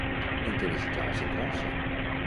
En què desitjava centrar-se?